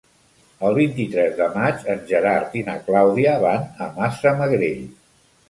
El vint-i-tres de maig en Gerard i na Clàudia van a Massamagrell.